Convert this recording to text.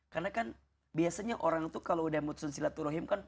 karena kan biasanya orang itu kalau udah memutus silaturahim kan